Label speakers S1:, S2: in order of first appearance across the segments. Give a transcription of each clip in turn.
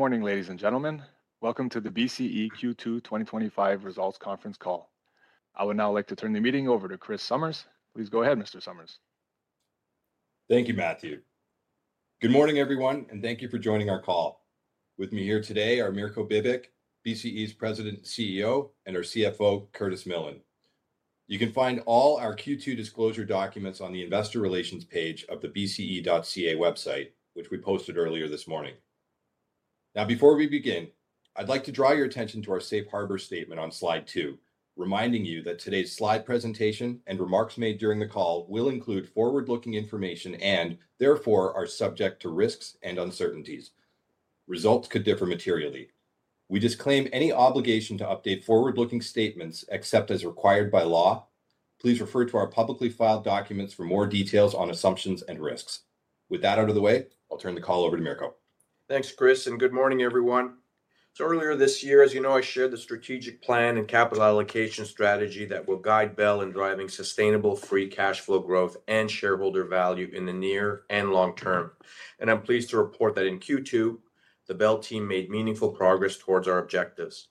S1: Good morning, ladies and gentlemen. Welcome to the BCE Q2 2025 results conference call. I would now like to turn the meeting over to Chris Summers. Please go ahead, Mr. Summers.
S2: Thank you, Matthew. Good morning everyone and thank you for joining our call. With me here today are Mirko Bibic, BCE's President & CEO, and our CFO Curtis Millen. You can find all our Q2 disclosure documents on the investor relations page of the bce.ca website, which we posted earlier this morning. Now, before we begin, I'd like to draw your attention to our Safe Harbor statement on slide 2, reminding you that today's slide presentation and remarks made during the call will include forward-looking information and therefore are subject to risks and uncertainties. Results could differ materially. We disclaim any obligation to update forward-looking statements except as required by law. Please refer to our publicly filed documents for more details on assumptions and risks. With that out of the way, I'll turn the call over to Mirko.
S3: Thanks Chris and good morning everyone. Earlier this year, as you know, I shared the strategic plan and capital allocation strategy that will guide Bell in driving sustainable free cash flow, growth and shareholder value in the near and long term. I'm pleased to report that in Q2 the Bell team made meaningful progress towards our objectives.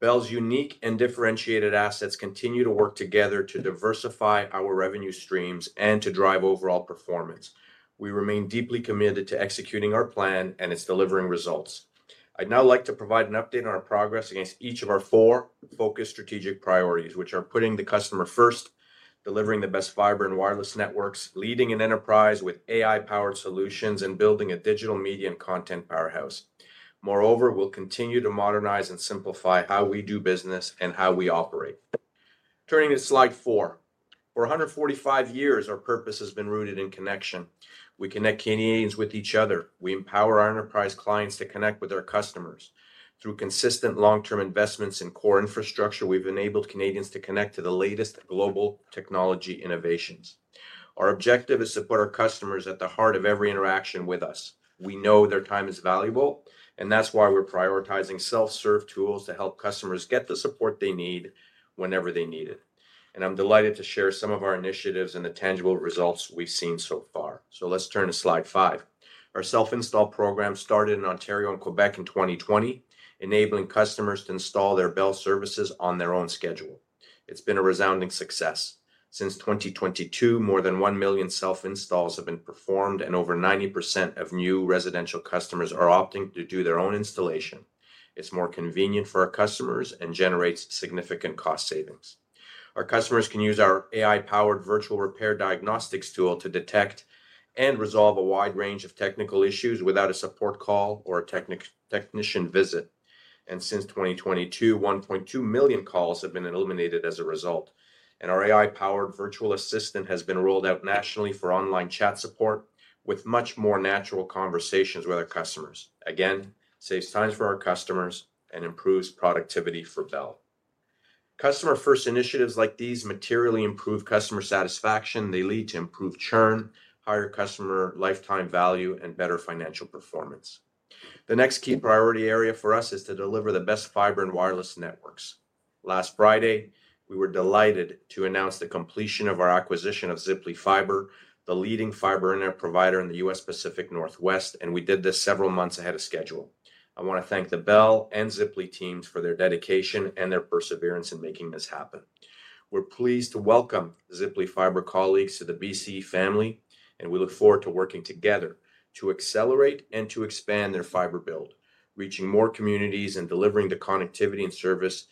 S3: Bell's unique and differentiated assets continue to work together to diversify our revenue streams and to drive overall performance. We remain deeply committed to executing our plan and it's delivering results. I'd now like to provide an update on our progress against each of our four focused strategic priorities, which are putting the customer first, delivering the best fiber and wireless networks, leading an enterprise with AI-powered solutions and building a digital media and content powerhouse. Moreover, we'll continue to modernize and simplify how we do business and how we operate. Turning to slide 4. For 145 years our purpose has been rooted in connection. We connect Canadians with each other. We empower our enterprise clients to connect with our customers. Through consistent long-term investments in core infrastructure, we've enabled Canadians to connect to the latest global technology innovations. Our objective is to put our customers at the heart of every interaction with us. We know their time is valuable and that's why we're prioritizing self-serve tools to help customers get the support they need whenever they need it. I'm delighted to share some of our initiatives and the tangible results we've seen so far. Let's turn to slide 5. Our self install program started in Ontario and Quebec in 2020, enabling customers to install their Bell services on their own schedule. It's been a resounding success. Since 2022, more than 1 million self installs have been performed and over 90% of new residential customers are opting to do their own installation. It's more convenient for our customers and generates significant cost savings. Our customers can use our AI-powered virtual repair diagnostics tool to detect and resolve a wide range of technical issues without a support call or a technician visit. Since 2022, 1.2 million calls have been eliminated as a result, and our AI-powered virtual assistant has been rolled out nationally for online chat support with much more natural conversations with our customers. This again saves time for our customers and improves productivity. For Bell, customer first initiatives like these materially improve customer satisfaction. They lead to improved churn, higher customer lifetime value, and better financial performance. The next key priority area for us is to deliver the best fiber and wireless networks. Last Friday, we were delighted to announce the completion of our acquisition of Ziply Fiber, the leading fiber Internet provider in the U.S. Pacific Northwest, and we did this several months ahead of schedule. I want to thank the Bell and Ziply teams for their dedication and their perseverance in making this happen. We're pleased to welcome Ziply Fiber colleagues to the BCE family, and we look forward to working together to accelerate and to expand their fiber build, reaching more communities and delivering the connectivity and service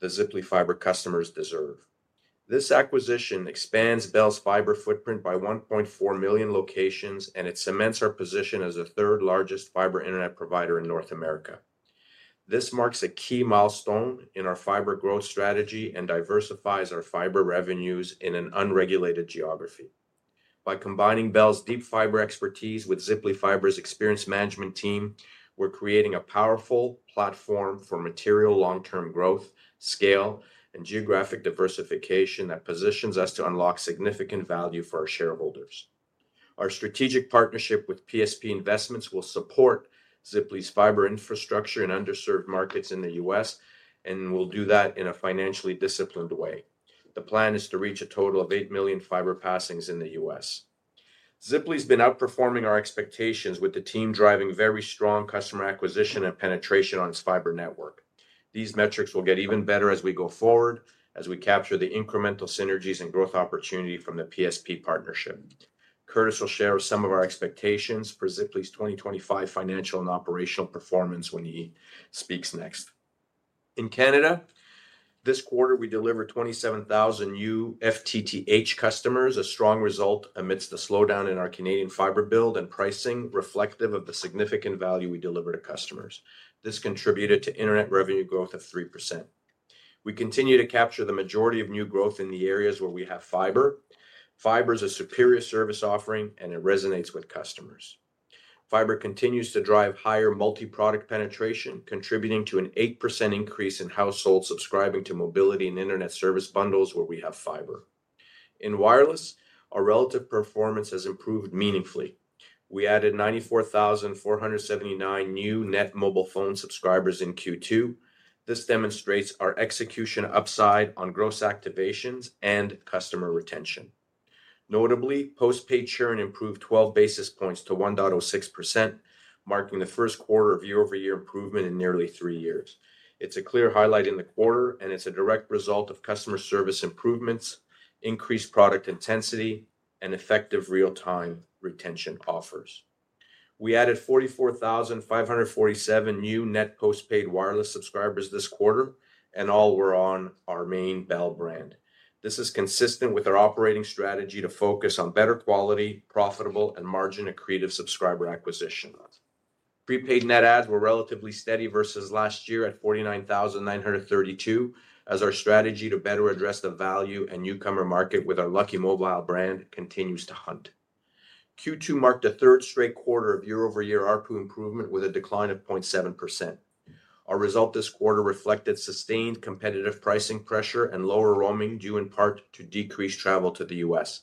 S3: the Ziply Fiber customers deserve. This acquisition expands Bell's fiber footprint by 1.4 million locations, and it cements our position as the third largest fiber Internet provider in North America. This marks a key milestone in our fiber growth strategy and diversifies our fiber revenues in an unregulated geography. By combining Bell's deep fiber expertise with Ziply Fiber's experienced management team, we're creating a powerful platform for material long term growth, scale, and geographic diversification that positions us to unlock significant value for our shareholders. Our strategic partnership with PSP Investments will support Ziply's fiber infrastructure in underserved markets in the U.S., and we will do that in a financially disciplined way. The plan is to reach a total of 8 million fiber passings in the U.S. Ziply has been outperforming our expectations with the team driving very strong customer acquisition and penetration on its fiber network. These metrics will get even better as we go forward as we capture the incremental synergies and growth opportunity from the PSP partnership. Curtis will share some of our expectations for Ziply's 2025 financial and operational performance when he speaks next. In Canada, this quarter we delivered 27,000 new FTTH customers, a strong result amidst the slowdown in our Canadian fiber build and pricing reflective of the significant value we deliver to customers. This contributed to Internet revenue growth of 3%. We continue to capture the majority of new growth in the areas where we have fiber. Fiber is a superior service offering and it resonates with customers. Fiber continues to drive higher multi-product penetration, contributing to an 8% increase in households subscribing to mobility and Internet service bundles where we have fiber. In wireless, our relative performance has improved meaningfully. We added 94,479 new net mobile phone subscribers in Q2. This demonstrates our execution upside on gross activations and customer retention. Notably, postpaid churn improved 12 basis points to 1.06%, marking the first quarter of year-over-year improvement in nearly three years. It's a clear highlight in the quarter and it's a direct result of customer service improvements, increased product intensity, and effective real-time retention offers. We added 44,547 new net postpaid wireless subscribers this quarter and all were on our main Bell brand. This is consistent with our operating strategy to focus on better quality, profitable, and margin accretive subscriber acquisition. Prepaid net adds were relatively steady versus last year at 49,932 as our strategy to better address the value and newcomer market with our Lucky Mobile brand continues to hunt. Q2 marked a third straight quarter of year-over-year ARPU improvement with a decline of 0.7%. Our result this quarter reflected sustained competitive pricing pressure and lower roaming due in part to decreased travel to the U.S.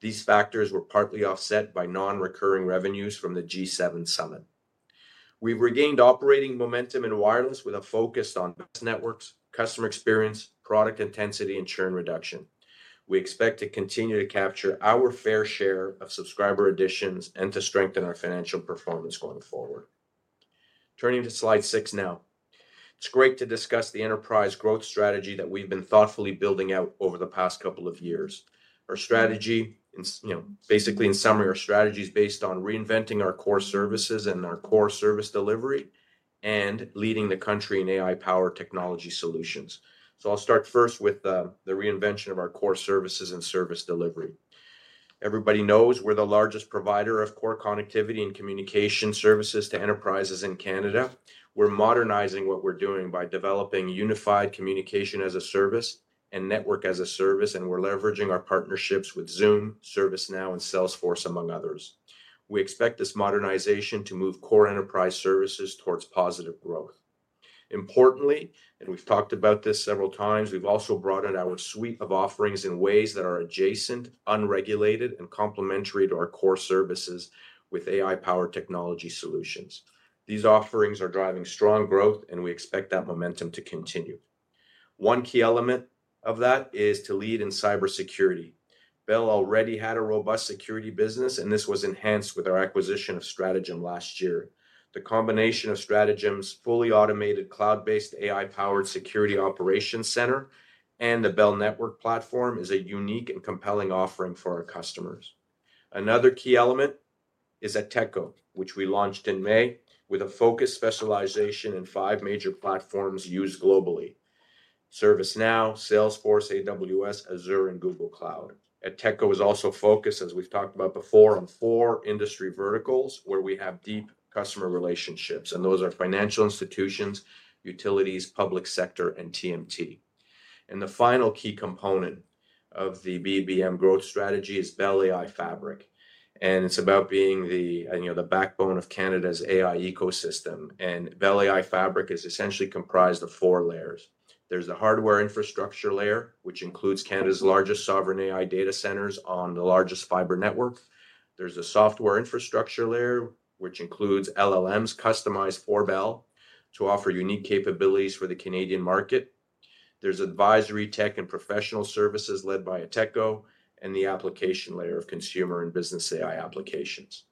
S3: These factors were partly offset by non-recurring revenues from the G7 summit. We've regained operating momentum in wireless with a focus on networks, customer experience, product intensity, and churn reduction. We expect to continue to capture our fair share of subscriber additions and to strengthen our financial performance going forward. Turning to slide 6 now, it's great to discuss the enterprise growth strategy that we've been thoughtfully building out over the past couple of years. Basically in summary, our strategy is based on reinventing our core services and our core service delivery and leading the country in AI-powered technology solutions. I'll start first with the reinvention of our core services and service delivery. Everybody knows we're the largest provider of core connectivity and communication services to enterprises in Canada. We're modernizing what we're doing by developing unified communication as a service and network as a service, and we're leveraging our partnerships with Zoom, ServiceNow, and Salesforce, among others. We expect this modernization to move core enterprise services towards positive growth. Importantly, and we've talked about this several times, we've also broadened our suite of offerings in ways that are adjacent, unregulated, and complementary to our core services with AI-powered technology solutions. These offerings are driving strong growth, and we expect that momentum to continue. One key element of that is to lead in cybersecurity. Bell already had a robust security business, and this was enhanced with our acquisition of Stratejm last year. The combination of Stratejm's fully automated cloud-based AI-powered security operations center and the Bell network platform is a unique and compelling offering for our customers. Another key element is Ateko, which we launched in May with a focused specialization in five major platforms used globally: ServiceNow, Salesforce, AWS, Azure, and Google Cloud. Ateko is also focused, as we've talked about before, on four industry verticals where we have deep customer relationships, and those are financial institutions, utilities, public sector, and TMT. The final key component of the BBM growth strategy is Bell AI Fabric, and it's about being the backbone of Canada's AI ecosystem. Bell AI Fabric is essentially comprised of four layers. There's the hardware infrastructure layer, which includes Canada's largest sovereign AI data centers on the largest fiber network. There's a software infrastructure layer, which includes LLMs customized for Bell to offer unique capabilities for the Canadian market. There's advisory, tech, and professional services led by Ateko, and the application layer of consumer and business AI applications.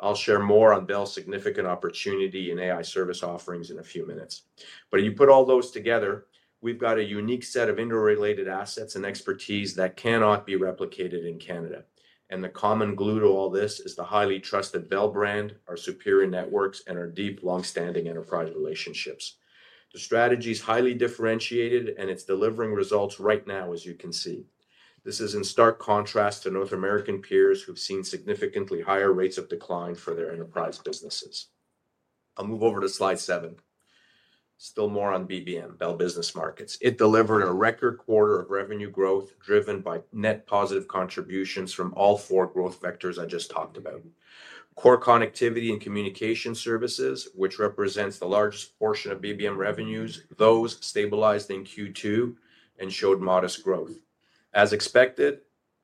S3: I'll share more on Bell's significant opportunity in AI service offerings in a few minutes, but you put all those together, we've got a unique set of interrelated assets and expertise that cannot be replicated in Canada. The common glue to all this is the highly trusted Bell brand, our superior networks, and our deep long-standing enterprise relationships. The strategy is highly differentiated, and it's delivering results right now as you can see. This is in stark contrast to North American peers who've seen significantly higher rates of decline for their enterprise businesses. I'll move over to slide 7, still more on BBM, Bell Business Markets. It delivered a record quarter of revenue growth driven by net positive contributions from all four growth vectors I just talked about. Core connectivity and communication services, which represents the largest portion of BBM revenues, those stabilized in Q2 and showed modest growth. As expected,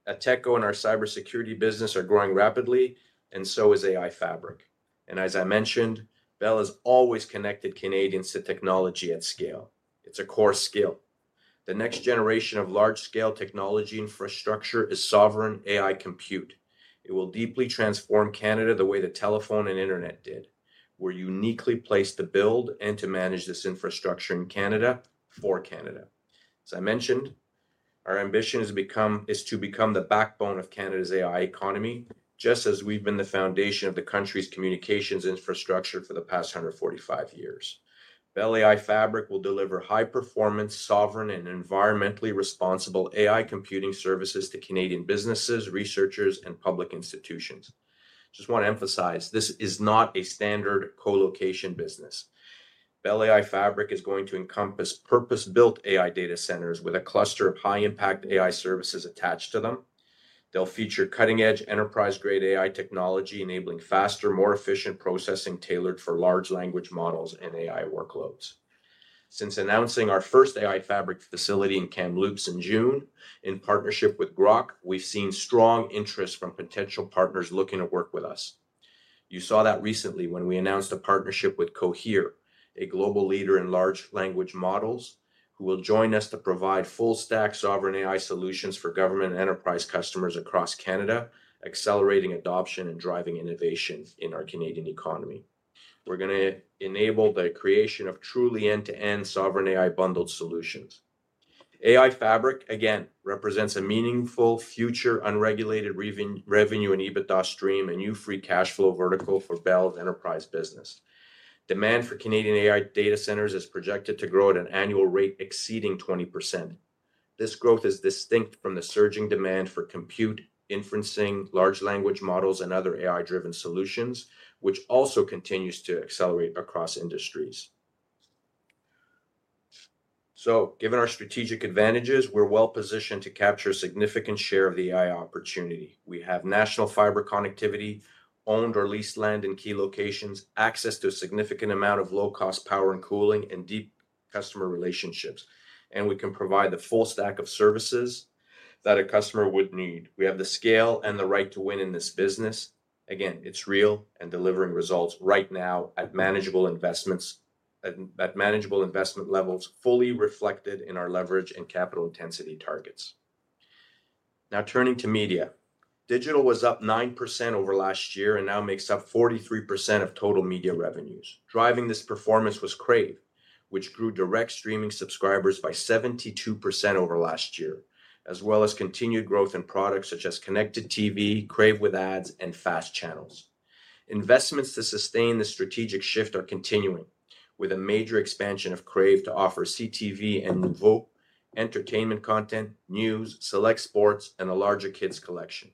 S3: Ateko and our cybersecurity business are growing rapidly, and so is AI Fabric. As I mentioned, Bell has always connected Canadians to technology at scale. It's a core skill. The next generation of large-scale technology infrastructure is sovereign AI compute. It will deeply transform Canada the way the telephone and Internet did. We're uniquely placed to build and to manage this infrastructure in Canada for Canada. As I mentioned, our ambition is to become the backbone of Canada's AI economy just as we've been the foundation of the country's communications infrastructure for the past 145 years. Bell AI Fabric will deliver high-performance, sovereign, and environmentally responsible AI computing services to Canadian businesses, researchers, and public institutions. I just want to emphasize this is not a standard colocation business. Bell AI Fabric is going to encompass purpose-built AI data centers with a cluster of high-impact AI services attached to them. They'll feature cutting-edge, enterprise-grade AI technology enabling faster, more efficient processing tailored for large language models and AI workloads. Since announcing our first AI Fabric facility in Kamloops in June in partnership with Groq, we've seen strong interest from potential partners looking to work with us. You saw that recently when we announced a partnership with Cohere, a global leader in large language models who will join us to provide full stack sovereign AI solutions for government enterprise customers across Canada, accelerating adoption and driving innovations in our Canadian economy. We're going to enable the creation of truly end-to-end sovereign AI bundled solutions. AI Fabric again represents a meaningful future. Unregulated revenue and EBITDA stream, a new free cash flow vertical for Bell's enterprise business. Business demand for Canadian AI data centers is projected to grow at an annual rate exceeding 20%. This growth is distinct from the surging demand for compute inferencing, large language models, and other AI-driven solutions, which also continues to accelerate across industries. Given our strategic advantages, we're well positioned to capture significant share of the AI opportunity. We have national fiber connectivity, owned or leased land in key locations, access to a significant amount of low-cost power and cooling, and deep customer relationships, and we can provide the full stack of services that a customer would need. We have the scale and the right to win in this business. Again, it's real and delivering results right now at manageable investment levels, fully reflected in our leverage and capital intensity targets. Now turning to media. Digital was up 9% over last year and now makes up 43% of total media revenues. Driving this performance was Crave, which grew direct streaming subscribers by 72% over last year, as well as continued growth in products such as connected TV, Crave with ads, and FAST channels. Investments to sustain the strategic shift are continuing with a major expansion of Crave to offer CTV and Voorhees entertainment content, news, select sports, and a larger kids collection.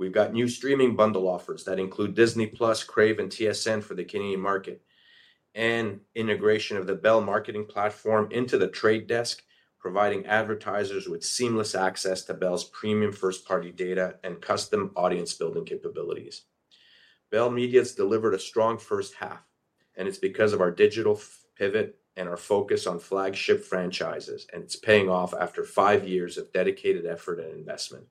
S3: We've got new streaming bundle offers that include Disney+ Crave and TSN for the Canadian market, and integration of the Bell marketing platform into the Trade Desk, providing advertisers with seamless access to Bell's premium first-party data and custom audience building capabilities. Bell Media has delivered a strong first half, and it's because of our digital pivot and our focus on flagship franchises. It's paying off after five years of dedicated effort and investment.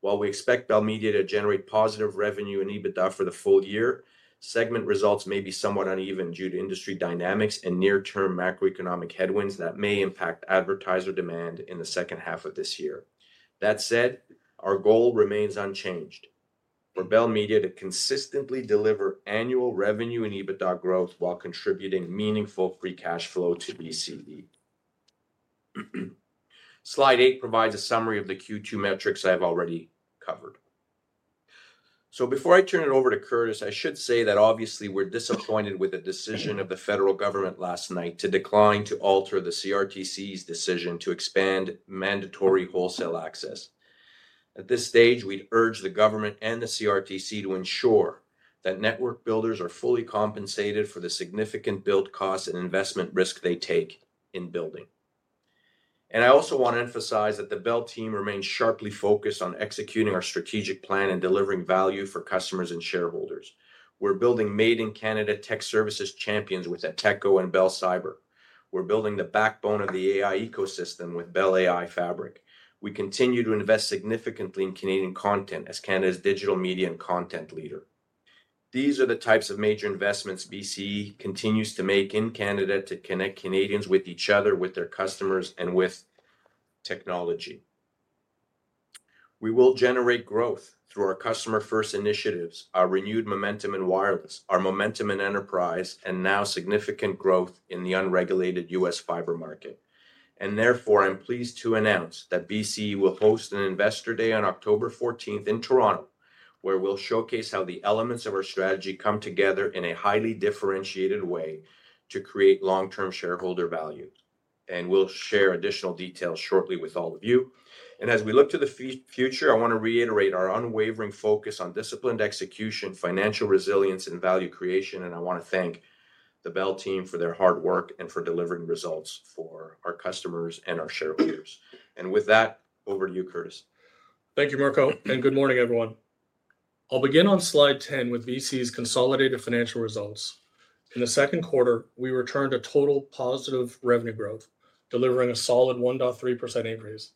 S3: While we expect Bell Media to generate positive revenue and EBITDA for the full year segment, results may be somewhat uneven due to industry dynamics and near term macroeconomic headwinds that may impact advertiser demand in the second half of this year. That said, our goal remains unchanged for Bell Media to consistently deliver annual revenue and EBITDA growth while contributing meaningful free cash flow to BCE. Slide 8 provides a summary of the Q2 metrics I've already covered. Before I turn it over to Curtis, I should say that obviously we're disappointed with the decision of the federal government last night to decline to alter the CRTC's decision to expand mandatory wholesale access. At this stage, we urge the government and the CRTC to ensure that network builders are fully compensated for the significant build costs and investment risk they take in building. I also want to emphasize that the Bell team remains sharply focused on executing our strategic plan and delivering value for customers and shareholders. We're building Made in Canada Tech Services Champions with Ateko and Bell Cyber. We're building the backbone of the AI ecosystem with Bell AI Fabric. We continue to invest significantly in Canadian content as Canada's digital media and content leader. These are the types of major investments BCE continues to make in Canada to connect Canadians with each other, with their customers, and with technology. We will generate growth through our customer first initiatives, our renewed momentum in wireless, our momentum in enterprise, and now significant growth in the unregulated U.S. Fiber market. Therefore, I'm pleased to announce that BCE will host an Investor Day on October 14 in Toronto where we'll showcase how the elements of our strategy come together in a highly differentiated way to create long term shareholder value. We'll share additional details shortly with all of you. As we look to the future, I want to reiterate our unwavering focus on disciplined execution, financial resilience, and value creation. I want to thank the Bell team for their hard work and for delivering results for our customers and our shareholders. With that, over to you Curtis.
S4: Thank you Mirko and good morning everyone. I'll begin on slide 10 with BCE's consolidated financial results. In the second quarter, we returned to total positive revenue growth, delivering a solid 1.3% increase.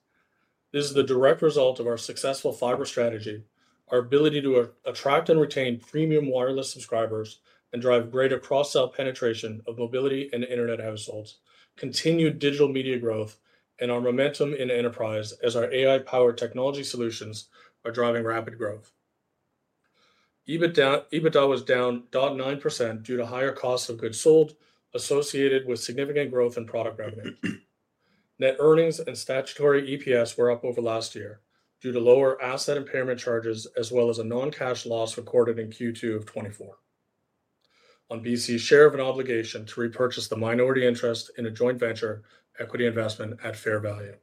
S4: This is the direct result of our successful fiber strategy, our ability to attract and retain premium wireless subscribers and drive greater cross-sell penetration of mobility and Internet households, continued digital media growth, and our momentum in enterprise as our AI-powered technology solutions are driving rapid growth. EBITDA was down 0.9% due to higher cost of goods sold associated with significant growth in product revenue. Net earnings and statutory EPS were up over last year due to lower asset impairment charges as well as a non-cash loss recorded in Q2 2024 on BCE's share of an obligation to repurchase the minority interest in a joint venture equity investment at fair value.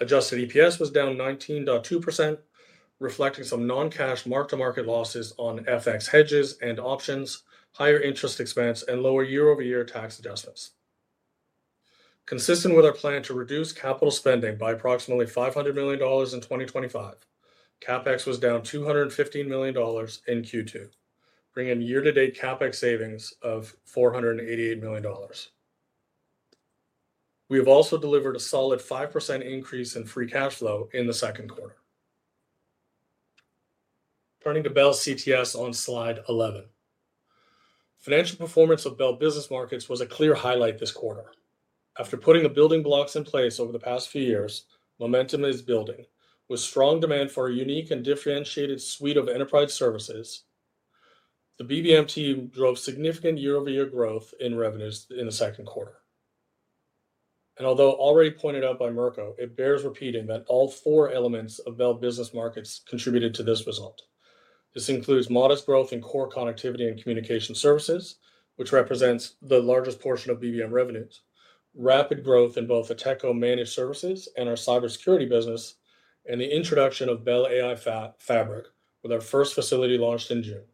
S4: Adjusted EPS was down 19.2%, reflecting some non-cash mark-to-market losses on FX hedges and options, higher interest expense, and lower year-over-year tax adjustments. Consistent with our plan to reduce capital spending by approximately 500 million dollars in 2025, CapEx was down 215 million dollars in Q2, bringing in year-to-date CapEx savings of 488 million dollars. We have also delivered a solid 5% increase in free cash flow in the second quarter. Turning to Bell's CTS on slide 11, financial performance of Bell Business Markets was a clear highlight this quarter. After putting the building blocks in place over the past few years, momentum is building with strong demand for a unique and differentiated suite of enterprise services. The BBM team drove significant year-over-year growth in revenues in the second quarter, and although already pointed out by Mirko, it bears repeating that all four elements of Bell Business Markets contributed to this result. This includes modest growth in core connectivity and communication services, which represents the largest portion of BBM revenues, rapid growth in both the Ateko managed services and our cybersecurity business, and the introduction of Bell AI Fabric with our first facility launched in June.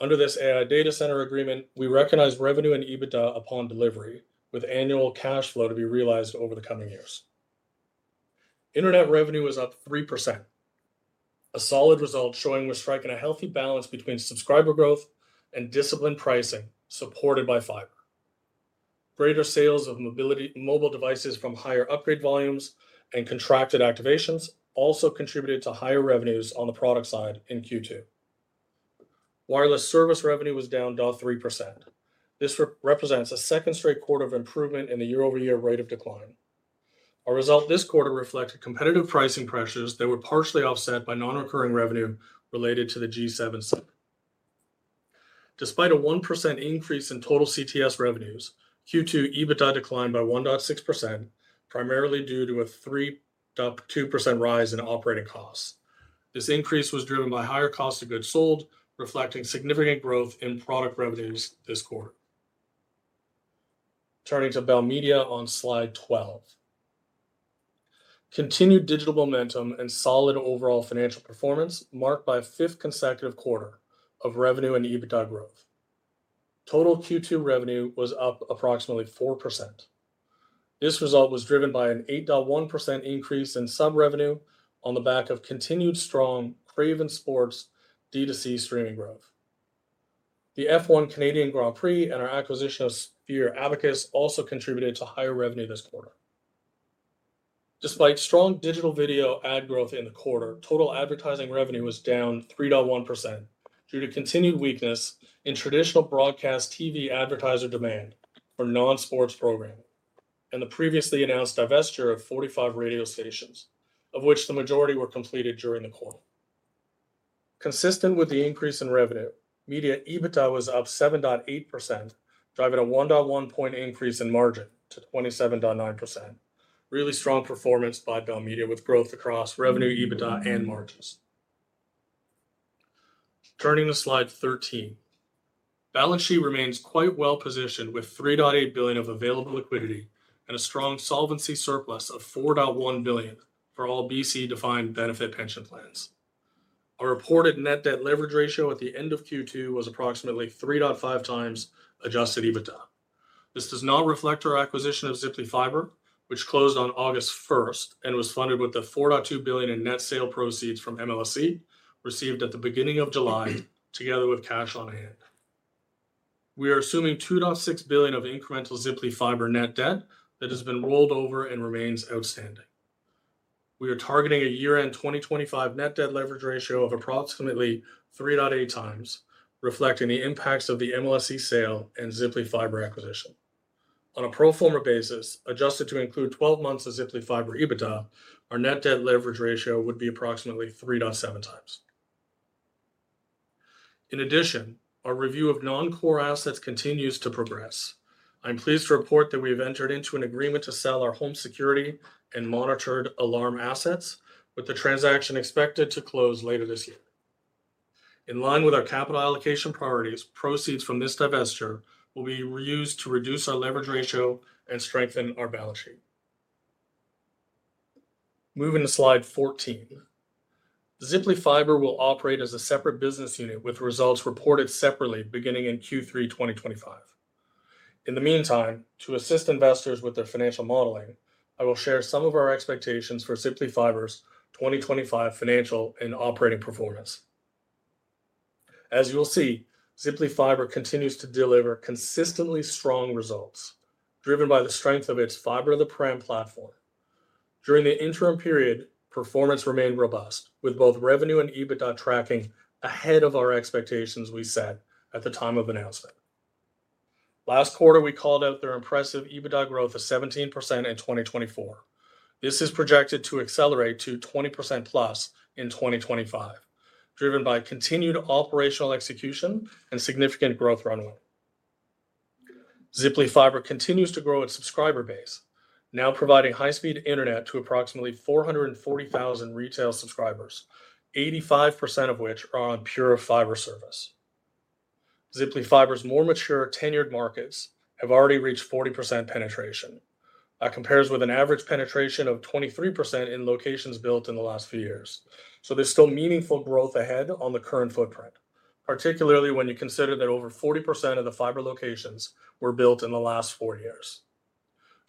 S4: Under this AI data center agreement, we recognize revenue and EBITDA upon delivery with annual cash flow to be realized over the coming years. Internet revenue is up 3%, a solid result showing we're striking a healthy balance between subscriber growth and disciplined pricing supported by fiber. Greater sales of mobility mobile devices from higher upgrade volumes and contracted activations also contributed to higher revenues on the product side in Q2. Wireless service revenue was down 0.3%. This represents a second straight quarter of improvement in the year-over-year rate of decline. Our result this quarter reflected competitive pricing pressures that were partially offset by non-recurring revenue related to the G7 sector. Despite a 1% increase in total CTS revenues, Q2 EBITDA declined by 1.6%, primarily due to a 3.2% rise in operating costs. This increase was driven by higher cost of goods sold, reflecting significant growth in product revenues this quarter. Turning to Bell Media on slide 12, continued digital momentum and solid overall financial performance were marked by a fifth consecutive quarter of revenue and EBITDA growth. Total Q2 revenue was up approximately 4%. This result was driven by an 8.1% increase in sub revenue on the back of continued strong Crave and Sports D2C streaming growth. The F1 Canadian Grand Prix and our acquisition of Sphere Abacus also contributed to higher revenue this quarter. Despite strong digital video ad growth in the quarter, total advertising revenue was down 3.1% due to continued weakness in traditional broadcast TV advertiser demand for non-sports programming and the previously announced divestiture of 45 radio stations, of which the majority were completed during the quarter. Consistent with the increase in revenue, media EBITDA was up 7.8%, driving a 1.1 point increase in margin to 27.9%. Really strong performance by Bell Media with growth across revenue, EBITDA, and margins. Turning to slide 13, balance sheet remains quite well positioned with 3.8 billion of available liquidity and a strong solvency surplus of 4.1 billion for all BCE defined benefit pension plans. Our reported net debt leverage ratio at the end of Q2 was approximately 3.5x adjusted EBITDA. This does not reflect our acquisition of Ziply Fiber, which closed on August 1st and was funded with the 4.2 billion in net sale proceeds from MLSE received at the beginning of July. Together with cash on hand, we are assuming 2.6 billion of incremental Ziply Fiber net debt that has been rolled over and remains outstanding. We are targeting a year-end 2025 net debt leverage ratio of approximately 3.8x, reflecting the impacts of the MLSE sale and Ziply Fiber acquisition. On a pro forma basis, adjusted to include 12 months of Ziply Fiber EBITDA, our net debt leverage ratio would be approximately 3.7x. In addition, our review of non-core assets continues to progress. I'm pleased to report that we have entered into an agreement to sell our home security and monitored alarm assets, with the transaction expected to close later this year in line with our capital allocation priorities. Proceeds from this divestiture will be reused to reduce our leverage ratio and strengthen our balance sheet. Moving to slide 14, Ziply Fiber will operate as a separate business unit, with results reported separately beginning in Q3 2025. In the meantime, to assist investors with their financial modeling, I will share some of our expectations for Ziply Fiber's 2025 financial and operating performance. As you will see, Ziply Fiber continues to deliver consistently strong results driven by the strength of its [fiber] platform. During the interim period, performance remained robust with both revenue and EBITDA tracking ahead of our expectations we set at the time of announcement. Last quarter, we called out their impressive EBITDA growth of 17% in 2024. This is projected to accelerate to 20%+ in 2025, driven by continued operational execution and significant growth runway. Ziply Fiber continues to grow its subscriber base, now providing high-speed Internet to approximately 440,000 retail subscribers, 85% of which are on pure fiber service. Ziply Fiber's more mature, tenured markets have already reached 40% penetration. That compares with an average penetration of 23% in locations built in the last few years, so there's still meaningful growth ahead on the current footprint, particularly when you consider that over 40% of the fiber locations were built in the last four years.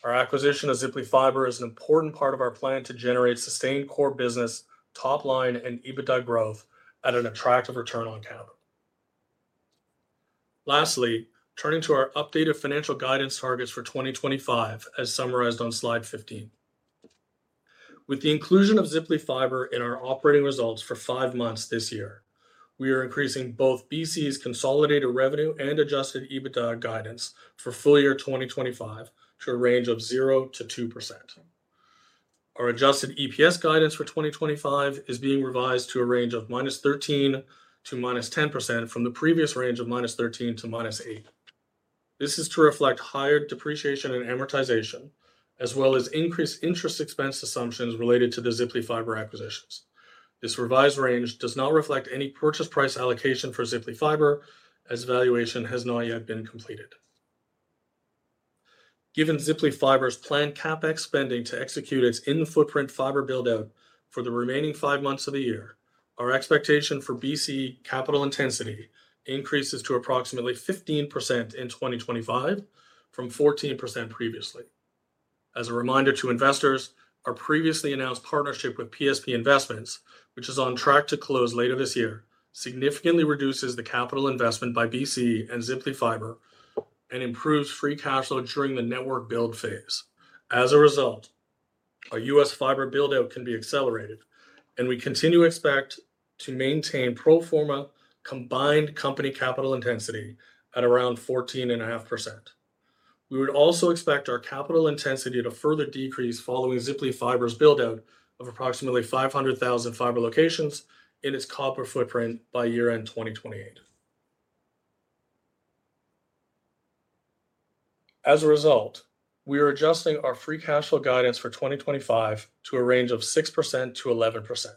S4: Our acquisition of Ziply Fiber is an important part of our plan to generate sustained core business, top line and EBITDA growth at an attractive return on capital. Lastly, turning to our updated financial guidance targets for 2025 as summarized on slide 15. With the inclusion of Ziply Fiber in our operating results for five months this year, we are increasing both BCE's consolidated revenue and adjusted EBITDA guidance for full year 2025 to a range of 0%-2%. Our adjusted EPS guidance for 2025 is being revised to a range of -13% to -10% from the previous range of -13% to -8%. This is to reflect higher depreciation and amortization as well as increased interest expense assumptions related to the Ziply Fiber acquisition. This revised range does not reflect any purchase price allocation for Ziply Fiber as valuation has not yet been completed. Given Ziply Fiber's planned CapEx spending to execute its in-footprint fiber build out for the remaining five months of the year, our expectation for BCE capital intensity increases to approximately 15% in 2025 from 14% previously. As a reminder to investors, our previously announced partnership with PSP Investments, which is on track to close later this year, significantly reduces the capital investment by BCE and Ziply Fiber and improves free cash flow during the network build phase. As a result, our U.S. fiber build out can be accelerated and we continue to expect to maintain pro forma combined company capital intensity at around 14.5%. We would also expect our capital intensity to further decrease following Ziply Fiber's buildout of approximately 500,000 fiber locations in its copper footprint by year end 2028. As a result, we are adjusting our free cash flow guidance for 2025 to a range of 6%-11%.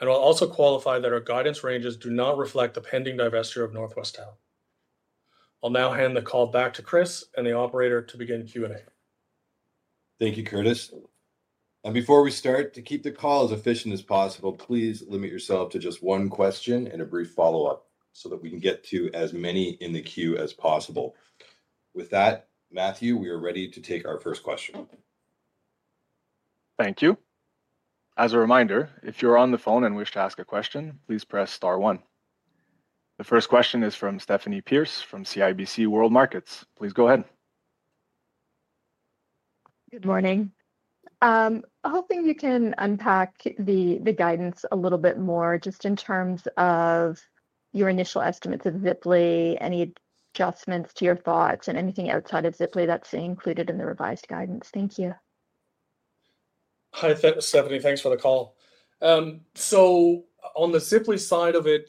S4: I'll also qualify that our guidance ranges do not reflect the pending divestiture of Northwest Town. I'll now hand the call back to Chris and the operator to begin Q&A.
S2: Thank you, Curtis. Before we start, to keep the call as efficient as possible, please limit yourself to just one question and a brief follow-up so that we can get to as many in the queue as possible. With that, Matthew, we are ready to take our first question.
S1: Thank you. As a reminder, if you're on the phone and wish to ask a question, please press Star one. The first question is from Stephanie Price from CIBC World Markets. Please go ahead.
S5: Good morning. Hoping you can unpack the guidance a little bit more. Just in terms of your initial estimates of Ziply, any adjustments to your thoughts and anything outside of Ziply that's included in the revised guidance. Thank you.
S4: Hi Stephanie, thanks for the call. On the Ziply side of it,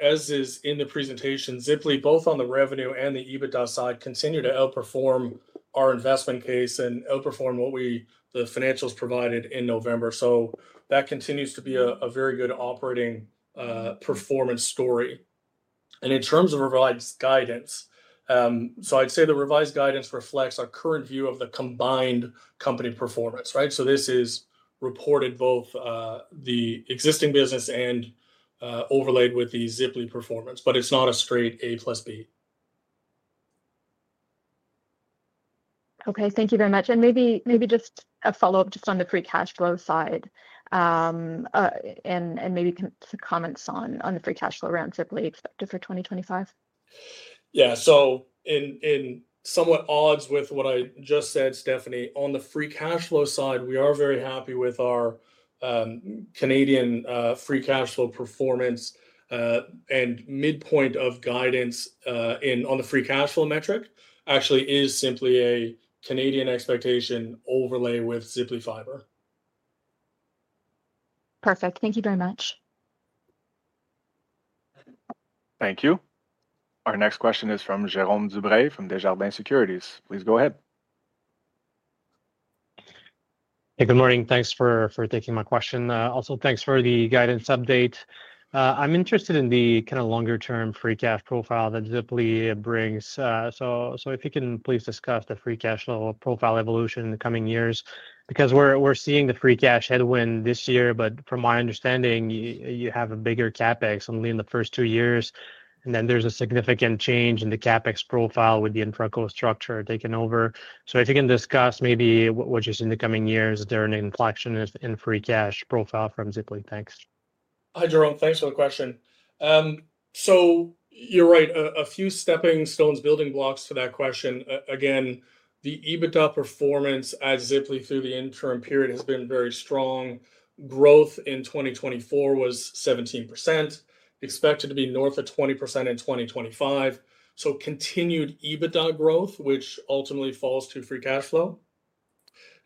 S4: as is in the presentation, Ziply both on the revenue and the EBITDA side continue to outperform our investment case and outperform what we, the financials provided in November. That continues to be a very good operating performance story. In terms of revised guidance, I'd say the revised guidance reflects our current view of the combined company performance. This is reported both the existing business and overlaid with the Ziply performance, but it's not a straight A + B.
S5: Okay, thank you very much. Maybe just a follow up on the free cash flow side and maybe comments on the free cash flow around Ziply expected for 2025.
S4: Yeah. In somewhat odds with what I just said, Stephanie, on the free cash flow side, we are very happy with our Canadian free cash flow performance, and midpoint of guidance on the free cash flow metric actually is simply a Canadian expectation overlay with Ziply Fiber.
S5: Perfect. Thank you very much.
S1: Thank you. Our next question is from Jérome Dubreuil from Desjardins Securities. Please go ahead.
S6: Hey, good morning. Thanks for taking my question. Also, thanks for the guidance update. I'm interested in the kind of longer term free cash profile that Ziply brings. If you can please discuss the free cash level profile evolution in the coming years because we're seeing the free cash headwind this year. From my understanding, you have a bigger CapEx only in the first two years, and then there's a significant change in the CapEx profile with the intraco structure taken over. If you can discuss maybe what you see in the coming years during inflection and free cash flow profile from Ziply, thanks.
S4: Hi Jérome, thanks for the question. You're right, a few stepping stones, building blocks for that question. Again, the EBITDA performance at Ziply through the interim period has been very strong. Growth in 2024 was 17%, expected to be north of 20% in 2025. Continued EBITDA growth ultimately falls to free cash flow.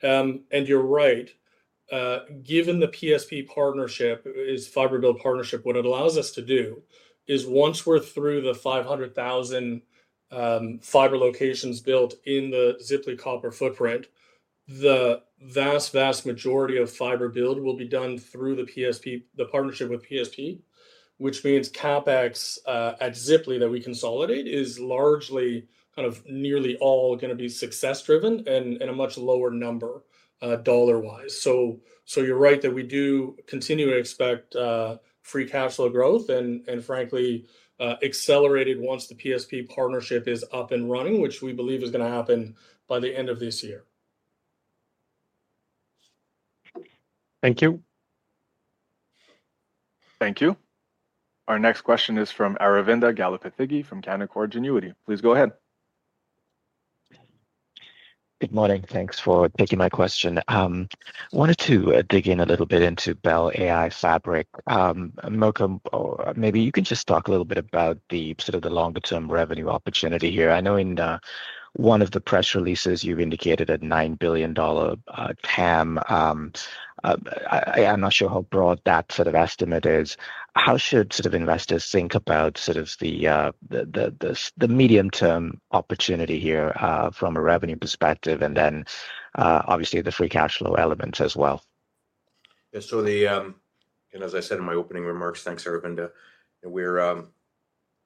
S4: You're right, given the PSP partnership is a fiber build partnership, what it allows us to do is once we're through the 500,000 fiber locations built in the Ziply copper footprint, the vast, vast majority of fiber build will be done through the partnership with PSP, which means CapEx at Ziply that we consolidate is largely, kind of, nearly all going to be success driven and a much lower number dollar wise. You're right that we do continue to expect free cash flow growth and, frankly, accelerated once the PSP partnership is up and running, which we believe is going to happen by the end of this year.
S6: Thank you.
S1: Thank you. Our next question is from Aravinda Galappatthige from Canaccord Genuity. Please go ahead.
S7: Good morning. Thanks for taking my question. Wanted to dig in a little bit into Bell AI Fabric. Mirko, maybe you could just talk a little bit about the sort of the longer term revenue opportunity here. I know in one of the press releases you've indicated a 9 billion dollar TAM. I'm not sure how broad that sort of estimate is. How should sort of investors think about sort of the medium term opportunity here from a revenue perspective, and then obviously the free cash flow element as well.
S3: As I said in my opening remarks, thanks Aravinda.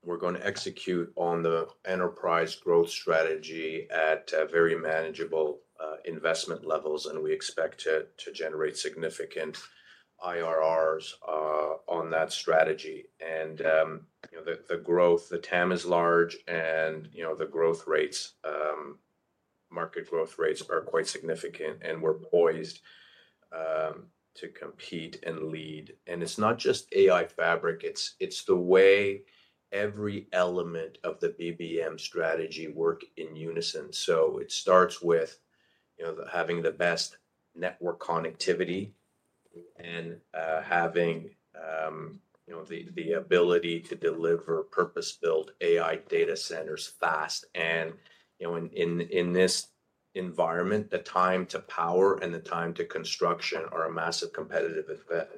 S3: We're going to execute on the enterprise growth strategy at very manageable investment levels, and we expect it to generate significant IRRs on that strategy. The TAM is large, and the growth rates, market growth rates are quite significant, and we're poised to compete and lead. It's not just AI Fabric, it's the way every element of the BBM strategy works in unison. It starts with having the best network connectivity and the ability to deliver purpose-built AI data centers fast. In this environment, the time to power and the time to construction are a massive competitive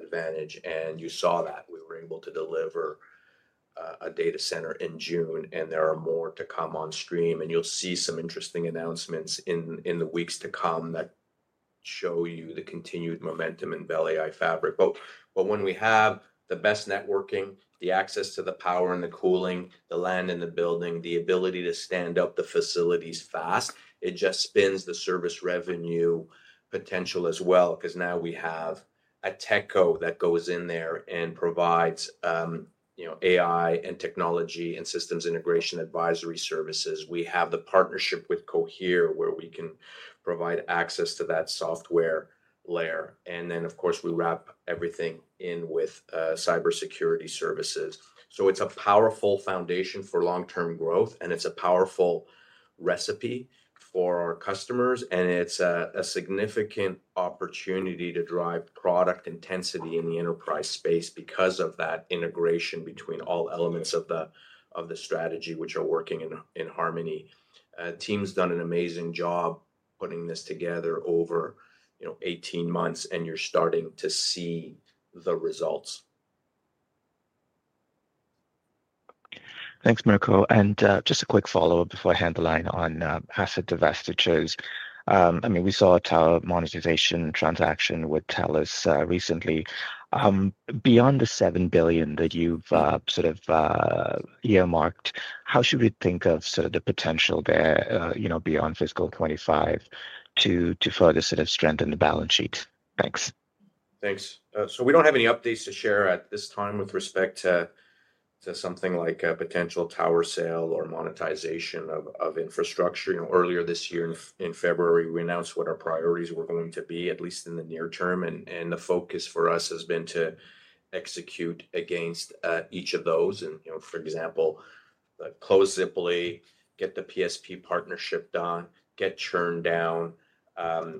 S3: advantage. You saw that we were able to deliver a data center in June. There are more to come on stream, and you'll see some interesting announcements in the weeks to come that show you the continued momentum in Bell AI Fabric. When we have the best networking, the access to the power and the cooling, the land and the building, the ability to stand up the facilities fast, it just spins the service revenue potential as well because now we have Ateko that goes in there and provides AI and technology and systems integration advisory services. We have the partnership with Cohere where we can provide access to that software layer, and then of course we wrap everything in with cybersecurity services. It's a powerful foundation for long-term growth, and it's a powerful recipe for our customers, and it's a significant opportunity to drive product intensity in the enterprise space because of that integration between all elements of the strategy which are working in harmony. The team's done an amazing job putting this together over 18 months, and you're starting to see the results.
S7: Thanks, Mirko. Just a quick follow-up before I hand the line on asset divestitures. We saw a tower monetization transaction with TELUS recently. Beyond the 7 billion that you've sort of earmarked, how should we think of the potential there beyond fiscal 2025 to further strengthen the balance sheet? Thanks.
S3: Thanks. We don't have any updates to share at this time with respect to something like a potential tower sale or monetization of infrastructure. Earlier this year in February, we announced what our priorities were going to be, at least in the near term. The focus for us has been to execute against each of those. For example, close Ziply, get the PSP partnership done, get churn down.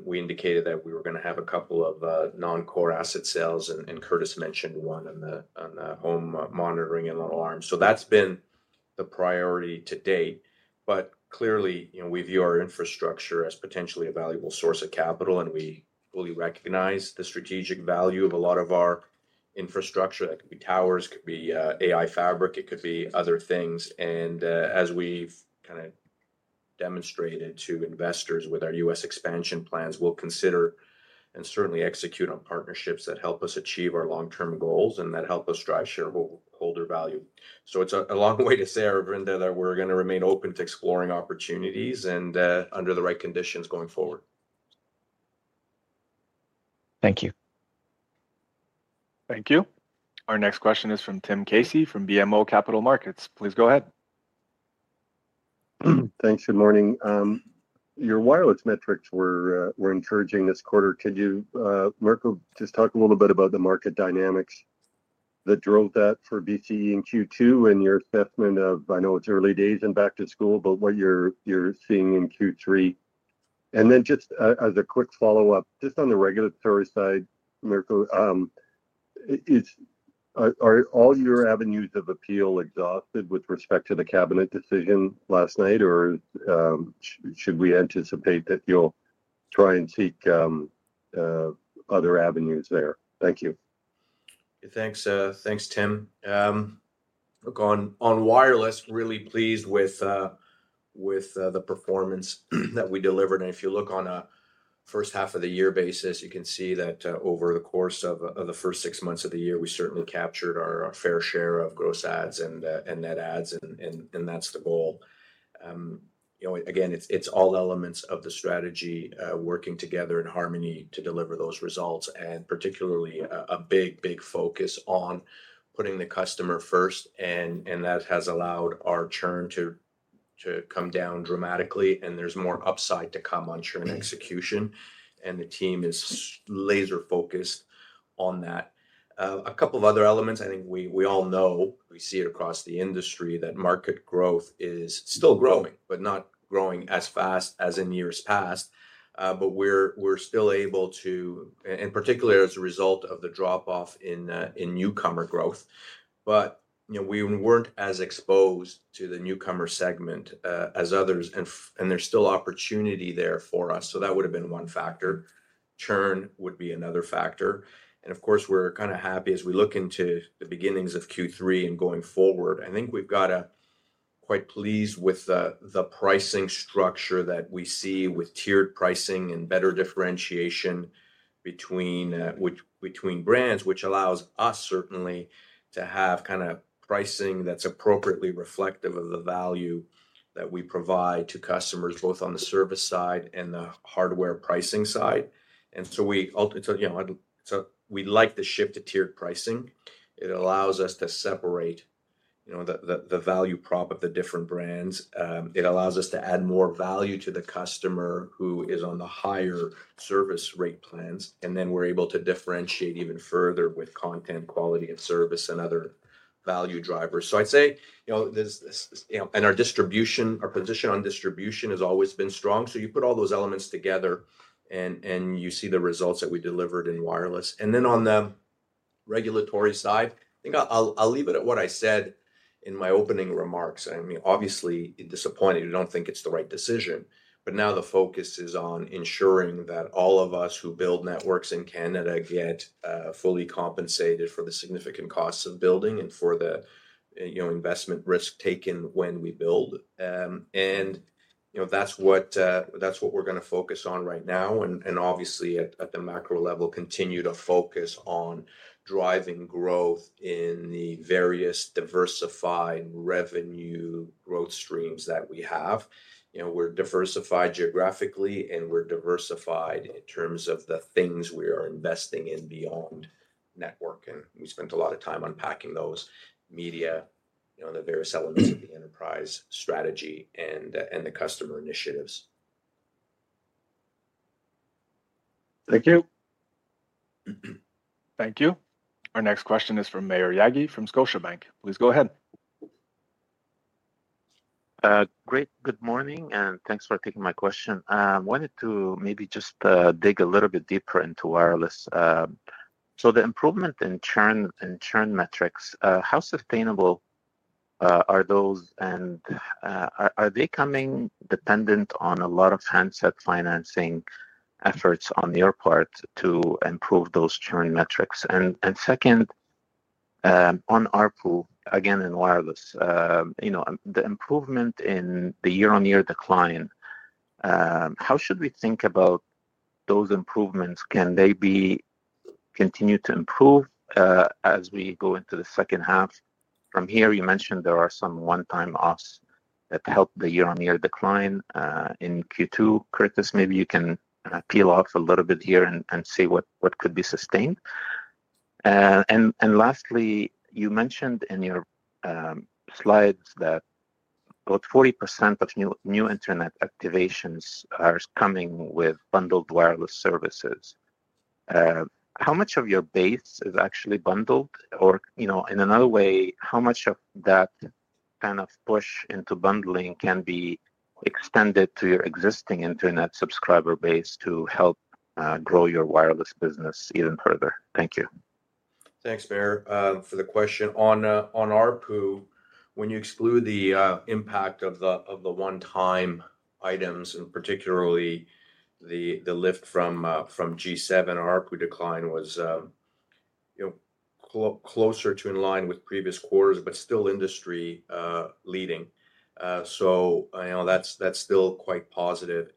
S3: We indicated that we were going to have a couple of non-core asset sales, and Curtis mentioned one on the home monitoring and alarm. That's been the priority to date. Clearly, we view our infrastructure as potentially a valuable source of capital, and we fully recognize the strategic value of a lot of our infrastructure. That could be towers, could be AI Fabric, it could be other things. As we demonstrated to investors with our U.S. expansion plans, we'll consider and certainly execute on partnerships that help us achieve our long-term goals and that help us drive shareholder value. It's a long way to say, Brenda, that we're going to remain open to exploring opportunities and, under the right conditions, going forward.
S7: Thank you.
S1: Thank you. Our next question is from Tim Casey from BMO Capital Markets. Please go ahead.
S8: Thanks. Good morning. Your wireless metrics were encouraging this quarter. Could you, Mirko, just talk a little bit about the market dynamics that drove that for BCE in Q2 and your assessment of, I know it's early days and back to school, but what you're seeing in Q3? Just as a quick follow-up, on the regulatory side, Mirko, are all your avenues of appeal exhausted with respect to the cabinet decision last night, or should we anticipate that you'll try and seek other avenues there? Thank you.
S3: Thanks, Tim. Look, on wireless, really pleased with the performance that we delivered, and if you look on a first half of the year basis, you can see that over the course of the first six months of the year, we certainly captured our fair share of gross ads and net adds. That's the goal. It's all elements of the strategy working together in harmony to deliver those results, and particularly a big, big focus on putting the customer first. That has allowed our churn to come down dramatically, and there's more upside to come on churn execution, and the team is laser focused on that. A couple of other elements I think we all know, we see it across the industry that market growth is still growing, but not growing as fast as in years past. We're still able to, in particular as a result of the drop off in newcomer growth. We weren't as exposed to the newcomer segment as others, and there's still opportunity there for us. That would have been one factor, but churn would be another factor. Of course, we're kind of happy as we look into the beginnings of Q3 and going forward. I think we're quite pleased with the pricing structure that we see with tiered pricing and better differentiation between brands, which allows us certainly to have pricing that's appropriately reflective of the value that we provide to customers both on the service side and the hardware pricing side. We like the shift to tiered pricing. It allows us to separate the value prop of the different brands. It allows us to add more value to the customer who is on the higher service rate plans. We're able to differentiate even further with content quality and service and other value drivers. I'd say our position on distribution has always been strong. You put all those elements together, and you see the results that we delivered in wireless. On the regulatory side, I think I'll leave it at what I said in my opening remarks. Obviously disappointed, don't think it's the right decision. Now the focus is on ensuring that all of us who build networks in Canada get fully compensated for the significant costs of building and for the investment risk taken when we build. That's what we're going to focus on right now, and obviously at the macro level, continue to focus on driving growth in the various diversified revenue growth streams that we have. We're diversified geographically, and we're diversified in terms of the things we are investing in beyond network, and we spent a lot of time unpacking those media and the various elements of the enterprise strategy and the customer initiatives.
S8: Thank you.
S1: Thank you. Our next question is from Maher Yaghi from Scotiabank. Please go ahead.
S9: Great. Good morning and thanks for taking my question. I wanted to maybe just dig a little bit deeper into wireless. The improvement in churn and churn metrics, how sustainable are those and are they coming dependent on a lot of handset financing efforts on your part to improve those churn metrics? Second, on ARPU again in wireless, the improvement in the year-on-year decline, how should we think about those improvements? Can they continue to improve as we go into the second half from here? You mentioned there are some one-time offs that help the year-on-year decline in Q2. Curtis, maybe you can peel off a little bit here and see what could be sustained. Lastly, you mentioned in your slides that about 40% of new Internet activations are coming with bundled wireless services. How much of your base is actually bundled or, in another way, how much of that kind of push into bundling can be extended to your existing Internet subscriber base to help grow your wireless business even further? Thank you.
S3: Thanks for the question. On ARPU, When you exclude the impact of the one-time items and particularly the lift from G7, ARPU decline was closer to in line with previous quarters but still industry leading. That's still quite positive.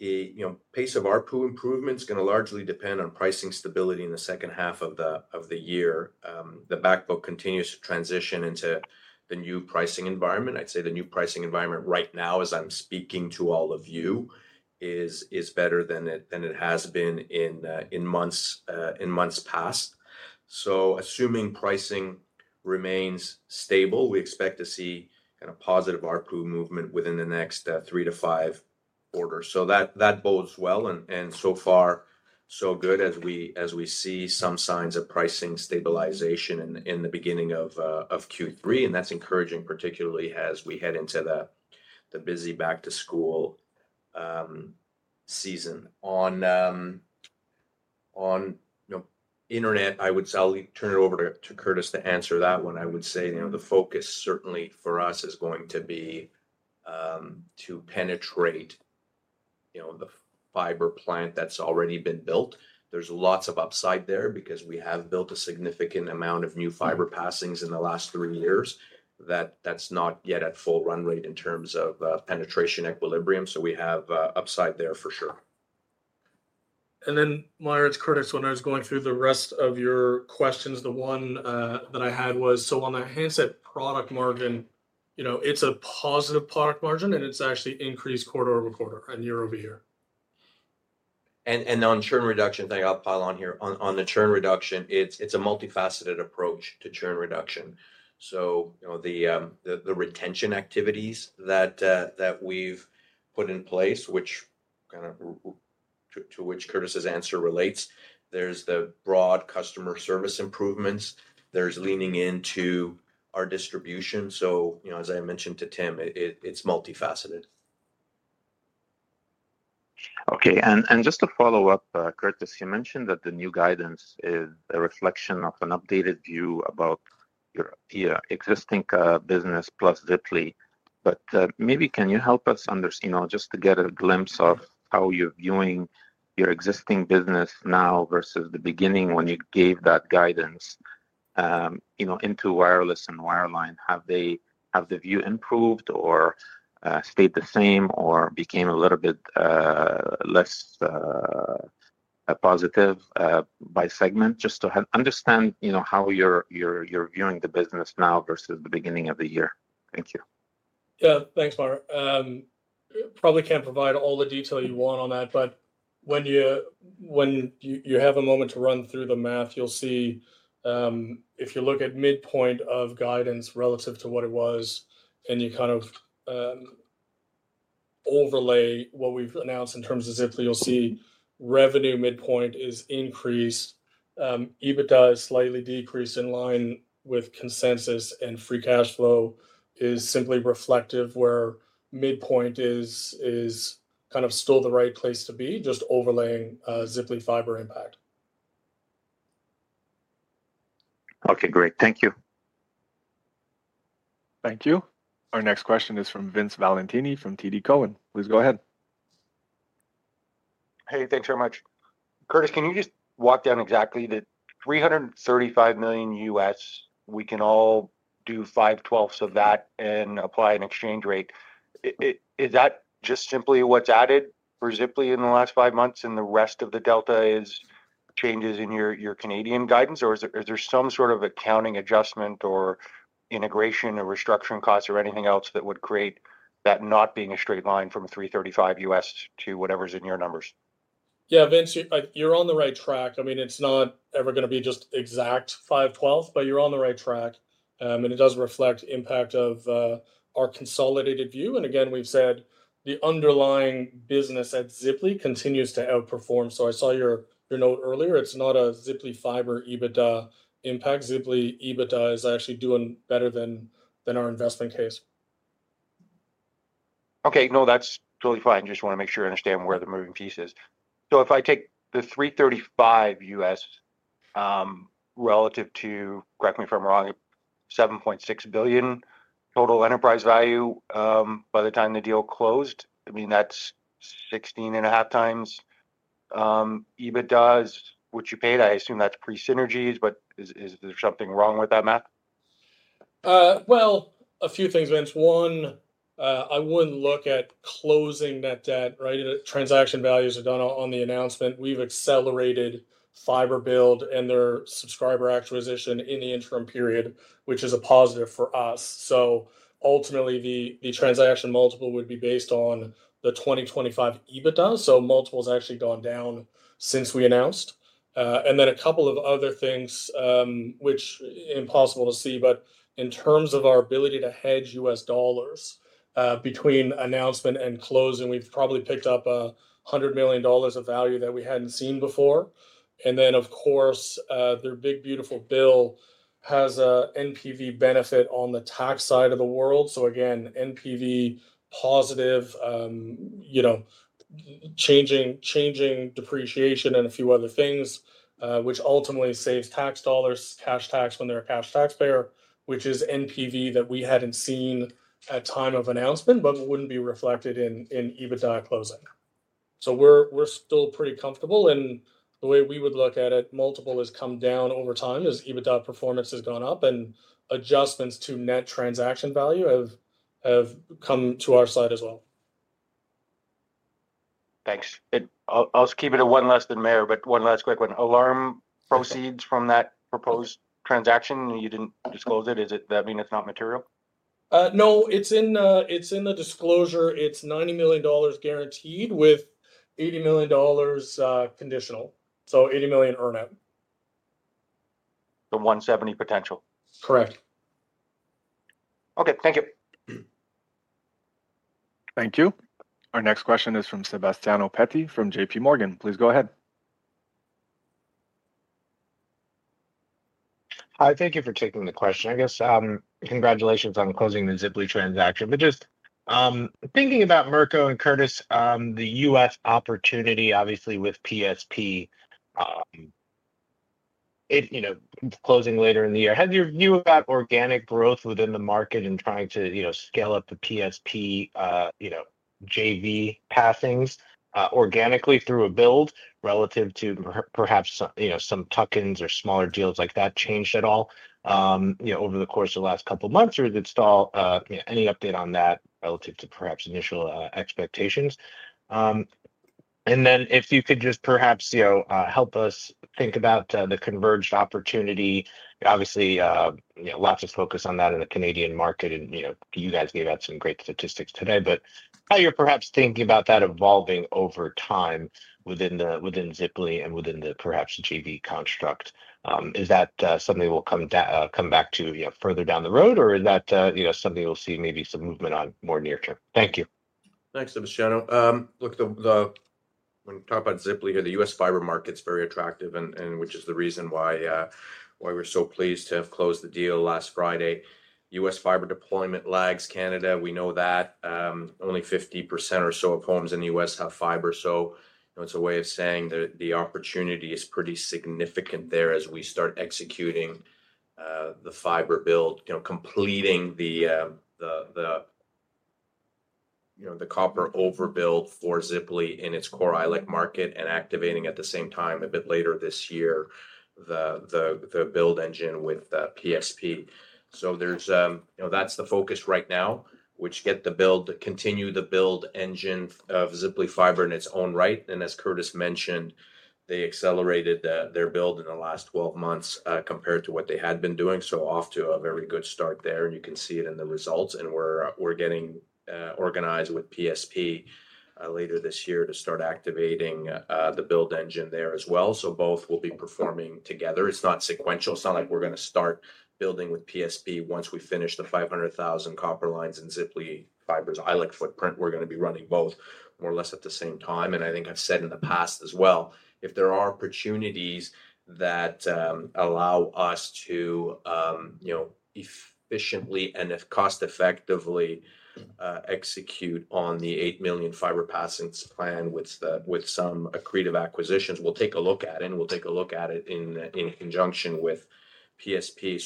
S3: Pace of ARPU improvement is going to largely depend on pricing stability in the second half of the year. The back book continues to transition into the new pricing environment. I'd say the new pricing environment right now as I'm speaking to all of you is better than it has been in months past. Assuming pricing remains stable, we expect to see positive ARPU movement within the next three to five quarters. That bodes well, and so far so good as we see some signs of pricing stabilization in the beginning of Q3, and that's encouraging, particularly as we head into the busy back to school season. On Internet, I would turn it over to Curtis to answer that one. I would say the focus certainly for us is going to be to penetrate the fiber plant that's already been built. There's lots of upside there because we have built a significant amount of new fiber passings in the last three years that's not yet at full run rate in terms of penetration equilibrium. We have upside there for sure.
S4: Maher, it's Curtis. when I was going through the rest of your questions, the one that I had was on the handset product margin. It's a positive product margin, and it's actually increased quarter-over-quarter and year-over-year.
S3: On churn reduction, I'll pile on here. On the churn reduction, it's a multifaceted approach to churn reduction. The retention activities that we've put in place, which kind of to which Curtis's answer relates, there's the broad customer service improvements, there's leaning into our distribution. As I mentioned to Tim, it's multifaceted.
S9: Okay. Just a follow up. Curtis, you mentioned that the new guidance is a reflection of an updated view about your existing business plus Ziply. Can you help us understand just to get a glimpse of how you're viewing your existing business now versus the beginning when you gave that guidance into wireless and wireline? Has the view improved or stayed the same or become a little bit less positive by segment? Just to understand how you're viewing the business now versus the beginning of the year. Thank you.
S4: Yeah, thanks Maher. Probably can't provide all the detail you want on that, but when you have a moment to run through the math, you'll see if you look at midpoint of guidance relative to what it was and you kind of overlay what we've announced in terms of Ziply, you'll see revenue midpoint is increased, EBITDA is slightly decreased in line with consensus, and free cash flow is simply reflective where midpoint is kind of still the right place to be. Just overlaying Ziply Fiber impact.
S9: Okay, great. Thank you.
S1: Thank you. Our next question is from Vince Valentini from TD Cowen. Please go ahead.
S10: Hey, thanks very much. Curtis, can you just walk down exactly that $335 million? We can all do 5/12 of that and apply an exchange rate. Is that just simply what's added for Ziply in the last five months? The rest of the delta is changes in your Canadian guidance or is there some sort of accounting adjustment or integration or restructuring costs or anything else that would create that not being a straight line from $335 million to whatever's in your numbers?
S4: Yeah, Vince, you're on the right track. I mean it's not ever going to be just exact 5/12, but you're on the right track, and it does reflect impact of our consolidated view. Again, we've said the underlying business at Ziply continues to outperform. I saw your note earlier. It's not a Ziply Fiber EBITDA impact. Ziply EBITDA is actually doing better than our investment case.
S10: Okay, no, that's totally fine. Just want to make sure I understand where the moving piece is. If I take the $335 million relative to, correct me if I'm wrong, $7.6 billion total enterprise value by the time the deal closed, that's 16.5x EBITDA is what you paid. I assume that's pre synergies, but is there something wrong with that math?
S4: A few things, Vince. One, I wouldn't look at closing that debt. Right. Transaction values are done on the announcement. We've accelerated fiber build and their subscriber acquisition in the interim period, which is a positive for us. Ultimately, the transaction multiple would be based on the 2025 EBITDA. The multiple has actually gone down since we announced. A couple of other things, which are impossible to see, but in terms of our ability to hedge U.S. dollars between announcement and closing, we've probably picked up 100 million dollars of value that we hadn't seen before. Of course, their big beautiful bill has an NPV benefit on the tax side of the world. Again, NPV positive, changing depreciation and a few other things, which ultimately saves tax dollars, cash tax, when they're a cash taxpayer, which is NPV that we hadn't seen at time of announcement but wouldn't be reflected in EBITDA closing. We're still pretty comfortable, and the way we would look at it, the multiple has come down over time as EBITDA performance has gone up and adjustments to net transaction value have come to our side as well.
S10: Thanks. I'll keep it at one less than Maher, but one last quick one. Alarm proceeds from that proposed transaction, you didn't disclose it. Does that mean it's not material?
S4: No, it's in the disclosure. It's 90 million dollars guaranteed with 80 million dollars conditional, so 80 million earn out.
S10: 170 million potential.
S4: Correct.
S10: Okay, thank you.
S1: Thank you. Our next question is from Sebastiano Petti from JPMorgan. Please go ahead.
S11: Hi. Thank you for taking the question. I guess congratulations on closing the Ziply transaction. Just thinking about, Mirko and Curtis, the U.S. opportunity obviously with PSP, you know, closing later in the year, has your view about organic growth within the market and trying to scale up the PSP, you know, JV passings organically through a build relative to perhaps, you know, some tuck-ins or smaller deals like that changed at all over the course of the last couple months or is it still? Any update on that relative to perhaps initial expectations? If you could just perhaps help us think about the converged opportunity, obviously lots of focus on that in the Canadian market and you guys gave out some great statistics today. How you're perhaps thinking about that evolving over time within Ziply and within the perhaps JV construct, is that something we'll come back to further down the road or is that something you'll see maybe some movement on more near term? Thank you.
S3: Thanks, Sebastiano. Look, the topic of Ziply here, the U.S. fiber market is very attractive, which is the reason why we're so pleased to have closed the deal last Friday. U.S. fiber deployment lags Canada. We know that only 50% or so of homes in the U.S. have fiber. It's a way of saying that the opportunity is pretty significant there as we start executing the fiber build, completing the copper overbuild for Ziply in its core ILEC market and activating at the same time a bit later this year the build engine with PSP. That's the focus right now, which is to get the build to continue the build engine of Ziply Fiber in its own right. As Curtis mentioned, they accelerated their build in the last 12 months compared to what they had been doing. Off to a very good start there, and you can see it in the results. We're getting organized with PSP later this year to start activating the build engine there as well. Both will be performing together. It's not sequential, it's not like we're going to start building with PSP once we finish the 500,000 copper lines in Ziply Fiber's ILEC footprint. We're going to be running both more or less at the same time. I think I've said in the past as well, if there are opportunities that allow us to efficiently and cost effectively execute on the 8 million fiber passing plan with some accretive acquisitions, we'll take a look at it and we'll take a look at it in conjunction with PSP.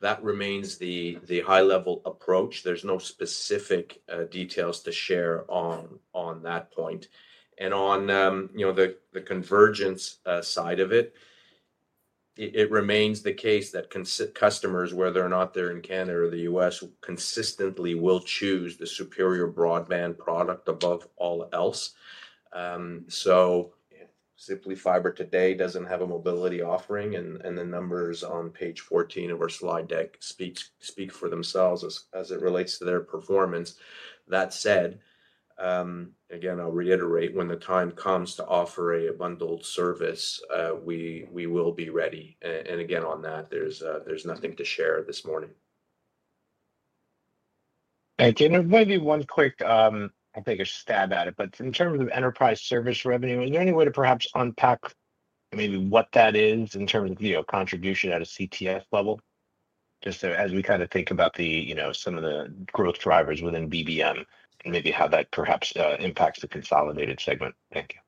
S3: That remains the high level approach. There's no specific details to share on that point. On the convergence side, it remains the case that customers, whether or not they're in Canada or the U.S., consistently will choose the superior broadband product above all else. Ziply Fiber today doesn't have a mobility offering, and the numbers on page 14 of our slide deck speak for themselves as it relates to their performance. That said, again, I'll reiterate, when the time comes to offer a bundled service, we will be ready. Again, there's nothing to share this morning.
S11: Maybe one quick, I'll take a stab at it. In terms of enterprise service revenue, is there any way to perhaps unpack what that is in terms of contribution at a CTF level? Just as we kind of think about some of the growth drivers within BBM, maybe how that perhaps impacts the consolidated segment? Thank you.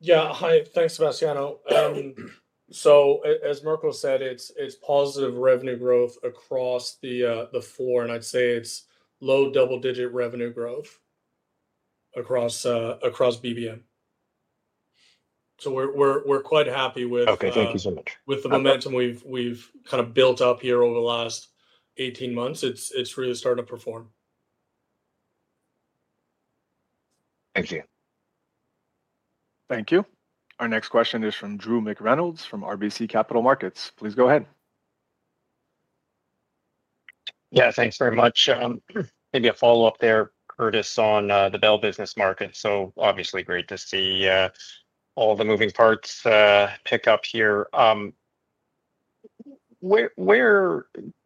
S4: Yeah, hi, thanks Sebastiano. As Mirko said, it's positive revenue growth across the four, and I'd say it's low double-digit revenue growth across BBM. We're quite happy with it.
S11: Okay, thank you so much.
S4: With the momentum we've built up here over the last 18 months, it's really starting to perform.
S11: Thank you.
S1: Thank you. Our next question is from Drew McReynolds from RBC Capital Markets. Please go ahead.
S12: Yeah, thanks very much. Maybe a follow up there Curtis on the Bell Business Markets. Obviously great to see all the moving parts pick up here. Where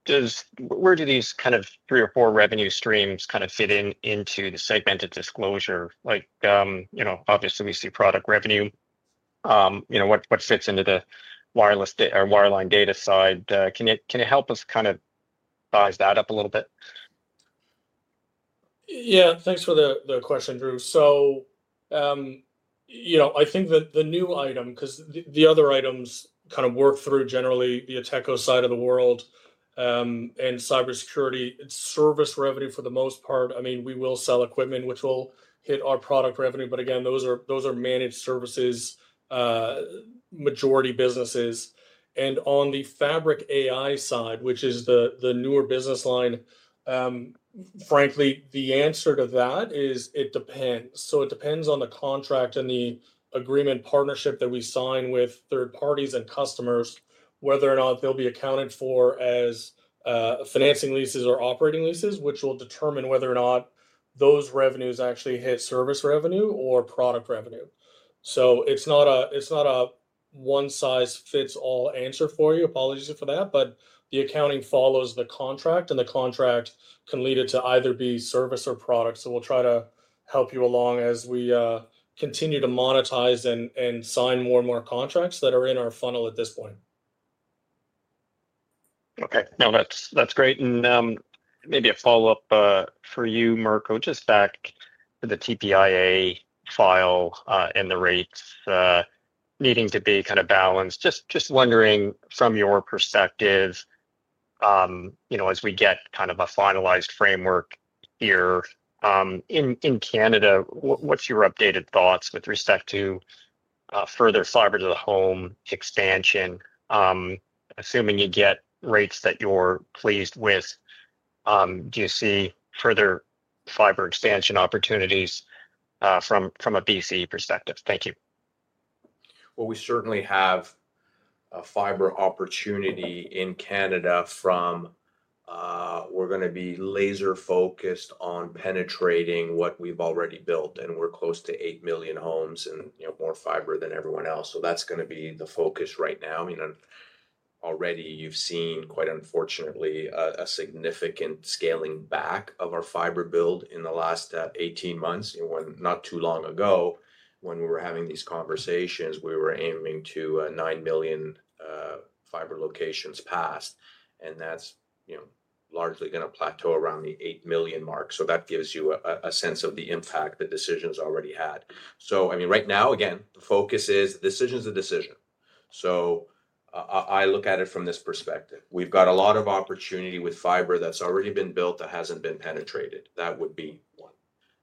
S12: do these kind of three or four revenue streams fit into the segmented disclosure? Like, you know, obviously we see product revenue, what fits into the wireless or wireline data side? Can you help us kind of buzz that up a little bit?
S4: Yeah, thanks for the question, Drew. I think that the new item, because the other items kind of work through generally the Ateko side of the world and cybersecurity service revenue for the most part. I mean, we will sell equipment, which will hit our product revenue. Again, those are managed services, majority businesses. On the Fabric AI side, which is the newer business line, frankly the answer to that is it depends. It depends on the contract and the agreement partnership that we sign with third parties and customers, whether or not they'll be accounted for as financing leases or operating leases, which will determine whether or not those revenues actually hit service revenue or product revenue. It's not a one size fits all answer for you. Apologies for that. The accounting follows the contract, and the contract can lead it to either be service or product. We'll try to help you along as we continue to monetize and sign more and more contracts that are in our funnel at this point.
S12: Okay, now that's great and maybe a follow up for you, Mirko. Just back to the TPIA file and the rates needing to be kind of balanced. Just wondering from your perspective as we get kind of a finalized framework here in Canada, what's your updated thoughts with respect to further fiber to the home expansion? Assuming you get rates that you're pleased with, do you see further fiber expansion opportunities from a BCE perspective? Thank you.
S3: We certainly have a fiber opportunity in Canada. We're going to be laser focused on penetrating what we've already built, and we're close to 8 million homes and, you know, more fiber than everyone else. That's going to be the focus right now. I mean, already you've seen, quite unfortunately, a significant scaling back of our fiber build in the last 18 months. Not too long ago, when we were having these conversations, we were aiming to 9 million fiber locations passed, and that's largely going to plateau around the 8 million mark. That gives you a sense of the impact the decisions already had. Right now, again, the focus is decision is a decision. I look at it from this perspective. We've got a lot of opportunity with fiber that's already been built that hasn't been penetrated. That would be.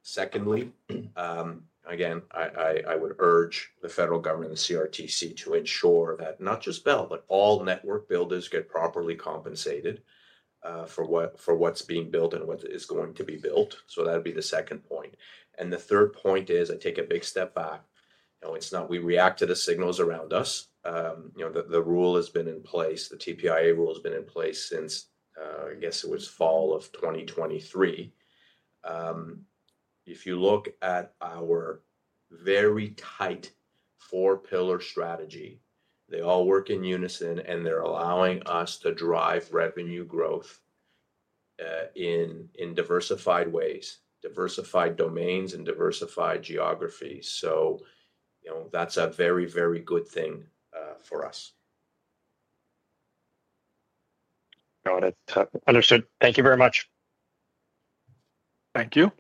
S3: Secondly, again, I would urge the federal government and CRTC to ensure that not just Bell, but all network builders get properly compensated. For what's being built and what is going to be built. That'd be the second point. The third point is I take a big step back. We react to the signals around us. The rule has been in place, the TPIA rule has been in place since, I guess, it was fall of 2023. If you look at our very tight four pillar strategy, they all work in unison, and they're allowing us to drive revenue growth in diversified ways, diversified domains, and diversified geographies. That's a very, very good thing for us.
S12: Got it. Understood. Thank you very much.
S1: Thank you.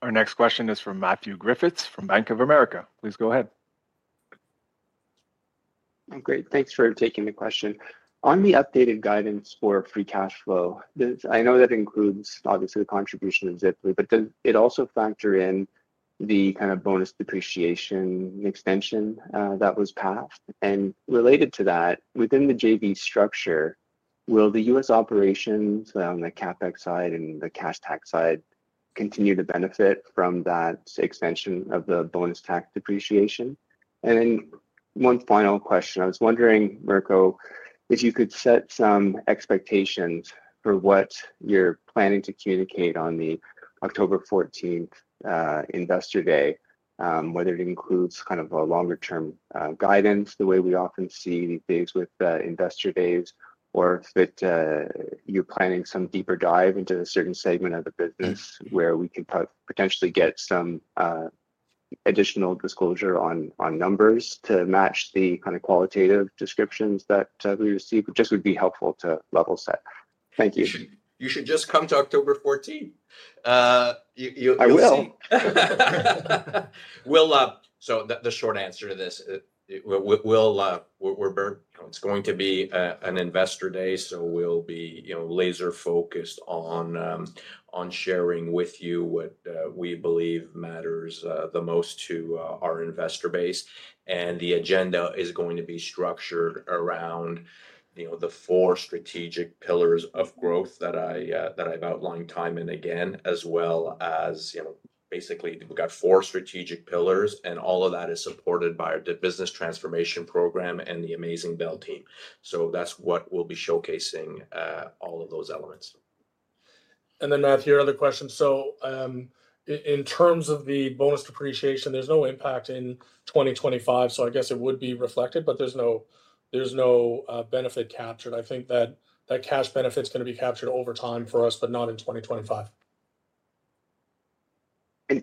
S1: Our next question is from Matthew Griffiths from Bank of America. Please go ahead.
S13: Great. Thanks for taking the question on the updated guidance for free cash flow. I know that includes obviously the contribution of Ziply, but does it also factor in the kind of bonus depreciation extension that was passed? Related to that, within the JV structure, will the U.S. operations on the CapEx side and the cash tax side continue to benefit from that extension of the bonus tax depreciation? One final question. I was wondering, Mirko, if you could set some expectations for what you're planning to communicate on the October 14th Investor Day. Whether it includes kind of a longer term guidance the way we often see things with investor days, or if you're planning some deeper dive into a certain segment of the business where we can potentially get some additional disclosure on numbers to match the kind of qualitative descriptions that we received. This would be helpful to level set. Thank you.
S3: You should just come to October 14.
S13: I will.
S3: The short answer to this, it's going to be an Investor Day. We'll be laser focused on sharing with you what we believe matter the most to our investor base. The agenda is going to be structured around the four strategic pillars of growth that I've outlined time and again, as well as basically we got four strategic pillars and all of that is supported by the Business Transformation Program and the amazing Bell team. That's what we'll be showcasing, all of those elements.
S4: Matthew, another question. In terms of the bonus depreciation, there's no impact in 2025. I guess it would be reflected, but there's no benefit captured. I think that cash benefit is going to be captured over time for us, but not in 2025.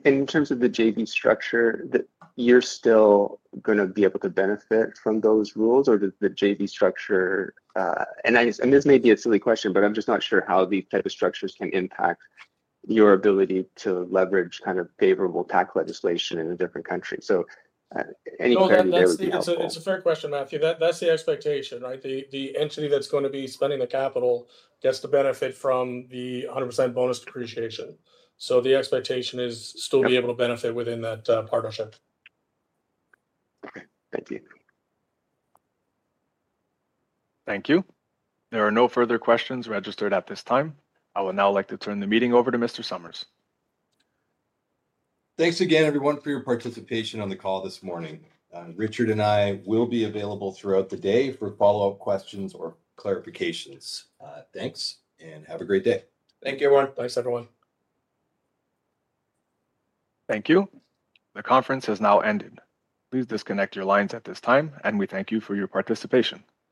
S13: In terms of the JV structure, you're still going to be able to benefit from those rules or the JV structure. This may be a silly question, but I'm just not sure how these type of structures can impact your ability to leverage kind of favorable tax legislation in a different country. Anything.
S4: It's a fair question, Matthew. That's the expectation, right? The entity that's going to be spending the capital gets to benefit from the 100% bonus depreciation. The expectation is still to be able to benefit within that partnership.
S13: Thank you.
S1: Thank you. There are no further questions registered at this time. I would now like to turn the meeting over to Mr. Summers.
S2: Thanks again everyone for your participation on the call this morning. Richard and I will be available throughout the day for follow-up questions or clarifications. Thanks and have a great day.
S3: Thank you, everyone.
S4: Thanks, everyone.
S1: Thank you. The conference has now ended. Please disconnect your lines at this time, and we thank you for your participation.